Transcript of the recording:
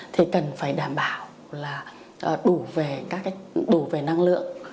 thì cần phải đảm bảo là đủ về năng lượng